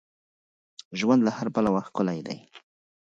ژوند له هر پلوه ښکلی دی.